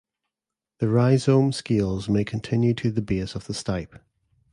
The rhizome scales may continue to the base of the stipe.